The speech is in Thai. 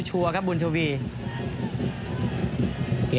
ส่วนที่สุดท้ายส่วนที่สุดท้าย